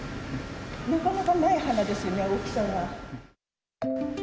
なかなかない花ですよね、大きさが。